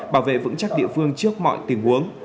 bảo vệ vững chắc địa phương trước mọi tình huống